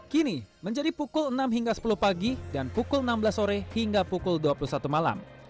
kini menjadi pukul enam hingga sepuluh pagi dan pukul enam belas sore hingga pukul dua puluh satu malam